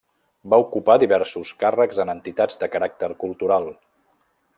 Va ocupar diversos càrrecs en entitats de caràcter cultural.